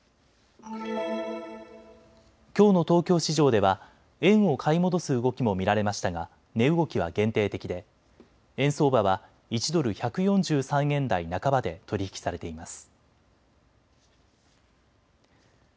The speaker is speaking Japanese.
きょうの東京市場では円を買い戻す動きも見られましたが値動きは限定的で円相場は１ドル１４３円台半ばで取り引きされています。